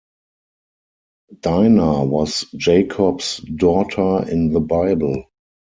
Dina was Jacob's daughter in the Bible.